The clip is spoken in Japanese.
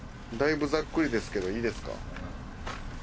だいぶザックリですけどいいですか？